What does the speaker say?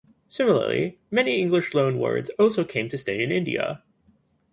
Similarly, many English loan words also came to stay in India.